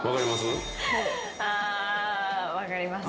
あ分かります。